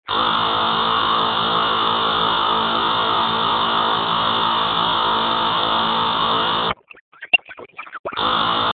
نیوروسرجري ډیره سخته ده!